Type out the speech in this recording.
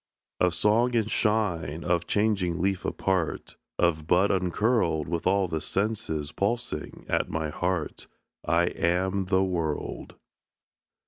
Of song and shine, of changing leaf apart, Of bud uncurled: With all the senses pulsing at my heart, I am the world.